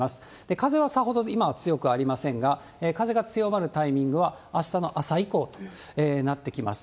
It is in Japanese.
風はさほど今は強くありませんが、風が強まるタイミングは、あしたの朝以降となってきます。